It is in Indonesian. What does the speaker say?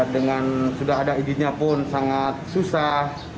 dengan sudah ada izinnya pun sangat susah